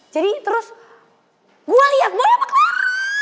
jadi terus gue lihat gue apa kelar